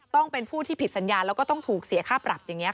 ต้องเป็นผู้ที่ผิดสัญญาแล้วก็ต้องถูกเสียค่าปรับอย่างนี้ค่ะ